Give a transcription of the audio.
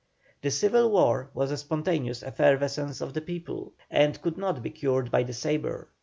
The civil war was a spontaneous effervescence of the people, and could not be cured by the sabre.